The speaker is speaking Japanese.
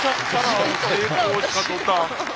あの成功した途端。